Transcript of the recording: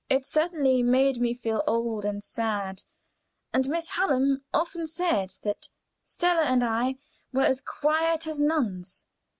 It certainly made me feel old and sad, and Miss Hallam often said that Stella and I were "as quiet as nuns."